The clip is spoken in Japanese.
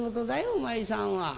お前さんは。